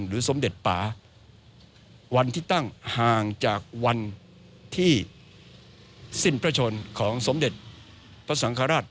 สมเด็จป่าวันที่ตั้งห่างจากวันที่สิ้นพระชนของสมเด็จพระสังฆราช